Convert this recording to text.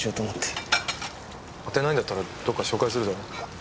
当てないんだったらどこか紹介するぞ。